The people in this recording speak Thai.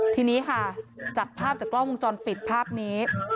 ทีนี้ค่ะจากภาพจากกล้องวงจรปิดภาพนี้